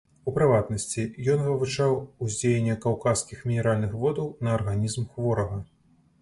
У прыватнасці, ён вывучаў уздзеянне каўказскіх мінеральных водаў на арганізм хворага.